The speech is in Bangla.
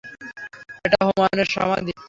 এটা হুমায়ূনের সমাধি।